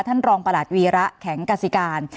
ท่านรองประหลัดวีระแข็งกษิการ